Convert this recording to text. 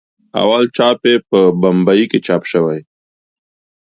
اول چاپ یې په بمبئي کې چاپ شوی.